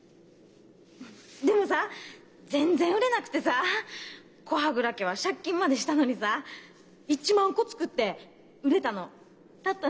でもさぁ全然売れなくてさぁ古波蔵家は借金までしたのにさぁ１万個作って売れたのたった７０。